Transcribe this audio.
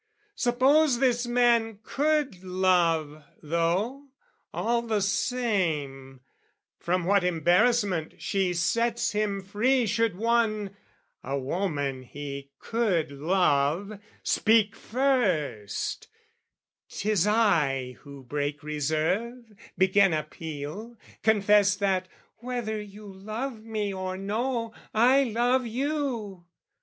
Suppose this man could love, though, all the same From what embarrassment she sets him free Should one, a woman he could love, speak first "'Tis I who break reserve, begin appeal, "Confess that, whether you love me or no, "I love you!"